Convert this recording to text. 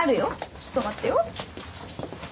ちょっと待ってよ。